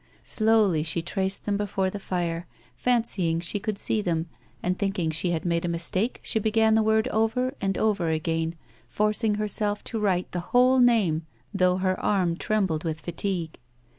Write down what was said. Slowly she traced them before the fire, fancying she could see them, then, thinking she had made a mistake, she began the word over and over again, forcing herself to write the whole name though her arm trembled with fatigue.